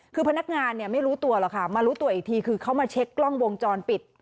คือพนักงานเนี่ยไม่รู้ตัวหรอกค่ะมารู้ตัวอีกทีคือเขามาเช็คกล้องวงจรปิด